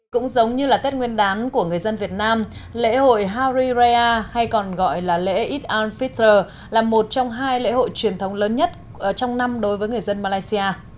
cũng giống như là tết nguyên đán của người dân việt nam lễ hội hari raya hay còn gọi là lễ ít an fitter là một trong hai lễ hội truyền thống lớn nhất trong năm đối với người dân malaysia